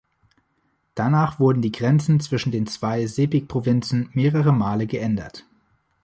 Danach wurden die Grenzen zwischen den zwei Sepik-Provinzen mehrere Male geändert.